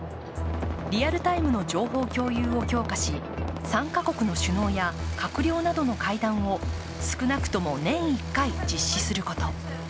リアルタイムの情報共有を強化し３か国の首脳や閣僚などの会談を少なくとも年１回、実施すること。